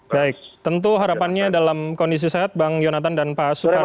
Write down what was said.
baik tentu harapannya dalam kondisi sehat bang yonatan dan pak suparno